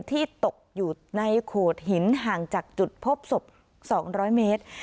ที่ตกอยู่ในโขดหินห่างจากจุดพบศพ๒๐๐เมตร